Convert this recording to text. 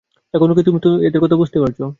এখনো কি তুমি এদের কথা বুঝতে পারছ?